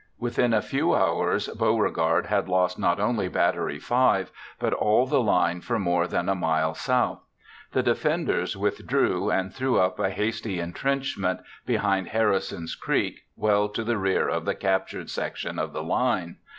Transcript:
Within a few hours Beauregard had lost not only Battery 5 but all the line for more than a mile south. The defenders withdrew and threw up a hasty entrenchment behind Harrison's Creek, well to the rear of the captured section of the line.